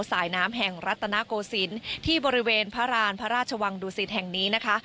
สายน้ำแห่งรัฐนาโกศิลป์ที่บริเวณพระราณพระราชวังดุสิตแห่งนี้นะคะ